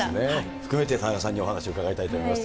含めて田中さんにお話伺いたいと思います。